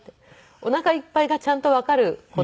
おなかいっぱいがちゃんとわかる子供。